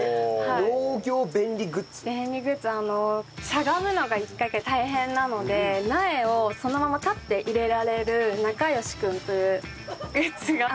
しゃがむのが一回一回大変なので苗をそのまま立って入れられる「なかよしくん」というグッズが。